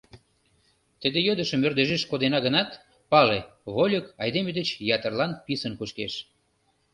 Тиде йодышым ӧрдыжеш кодена гынат, пале, вольык айдеме деч ятырлан писын кушкеш.